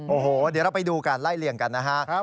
โอ้โหเดี๋ยวเราไปดูการไล่เลี่ยงกันนะฮะ